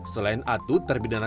selain atut terbidana